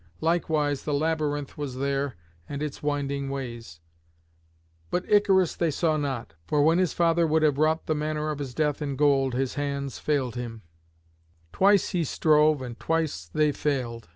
Likewise the Labyrinth was there and its winding ways; but Icarus they saw not, for when his father would have wrought the manner of his death in gold his hands failed him: twice he strove and twice they failed.